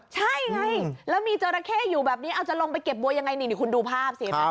ใช่ไงแล้วมีจราเข้อยู่แบบนี้เอาจะลงไปเก็บบัวยังไงนี่คุณดูภาพสิ